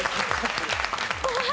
怖い。